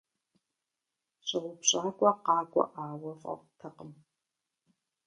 Щӏэупщӏакӏуэ къакӏуэӏауэ фӏэфӏтэкъым.